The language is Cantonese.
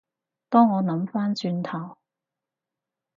當我諗返轉頭